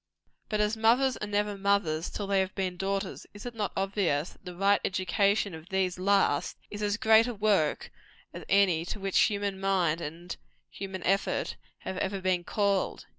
But as mothers are never mothers till they have been daughters, is it not obvious that the right education of these last is as great a work as any to which human mind and human effort have ever been called?